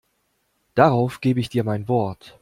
Darauf gebe ich dir mein Wort.